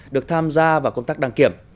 được tham gia vào công tác đăng kiểm